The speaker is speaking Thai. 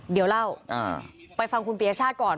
เดี๋ยวเล่าไปฟังคุณปียชาติก่อน